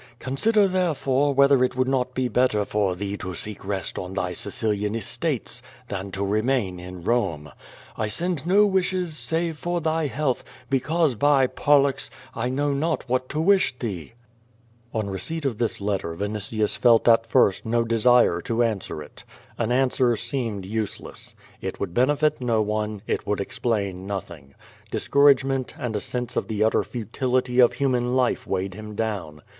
Consider, therefore, whether it would not be better for thee to seek rest on thy Sicilian estates than to remain in Rome. Write me the full est details about thyself. Farewell! I send no wishes save for thy health, because, by Pollux! I know not what to wish thee. On receipt of this letter Vinitius felt at first no desire to answer it. An answer seemed useless. It would benefit no one, it would explain nothing. Discouragement and a sense of the utter futility of human life weighed him down.